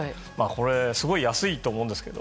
これすごい安いと思うんですけど。